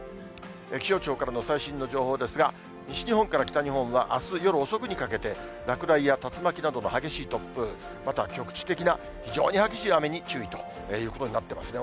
気象庁からの最新の情報ですが、西日本から北日本は、あす夜遅くにかけて、落雷や竜巻などの激しい突風、また局地的な非常に激しい雨に注意ということになってますね。